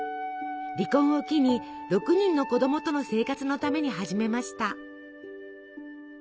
離婚を機に６人の子供との生活のために始めました。